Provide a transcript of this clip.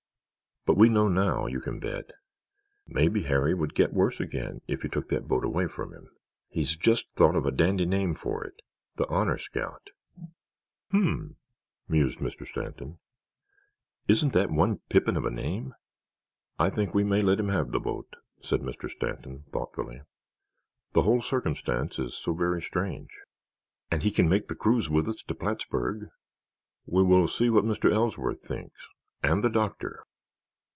But we know now, you can bet. Maybe Harry would get worse again if you took that boat away from him. He's just thought of a dandy name for it—the Honor Scout." "Hmmm," mused Mr. Stanton. "Isn't that one pippin of a name?" "I think we may let him have the boat," said Mr. Stanton, thoughtfully. "The whole circumstance is so very strange——" "And can he make the cruise with us to Plattsburg?" "We will see what Mr. Ellsworth thinks—and the doctor.